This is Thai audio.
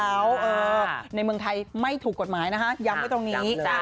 ในเมืองไทยไม่ถูกกฎหมายนะคะย้ำไว้ตรงนี้